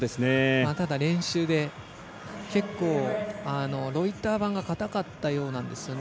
ただ、練習で結構ロイター板が硬かったようなんですよね。